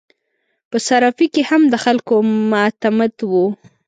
په صرافي کې هم د خلکو معتمد وو.